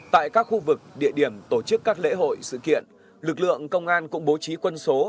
tại các khu vực địa điểm tổ chức các lễ hội sự kiện lực lượng công an cũng bố trí quân số